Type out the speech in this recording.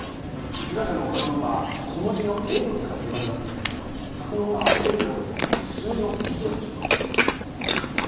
被害者の画像のほうは小文字の「ｌ」を使っていますが拓夢のほうは「ｌ」ではなく数字の「１」じゃないでしょうか？